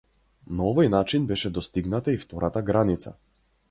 На овој начин беше достигната и втората граница.